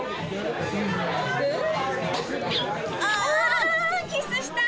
あキスしたい！